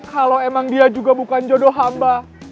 kalau emang dia juga bukan jodoh hamba